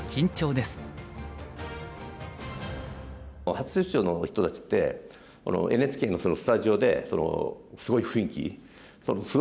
初出場の人たちってＮＨＫのスタジオですごい雰囲気。